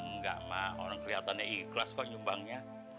enggak pak orang kelihatannya ikhlas kok nyumbangnya